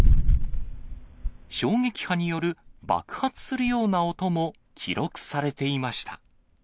衝撃波による、爆発するような音も記録されていました。